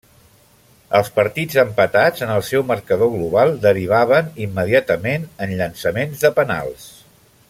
Els partits empatats en el seu marcador global derivaven immediatament en llançaments de penals.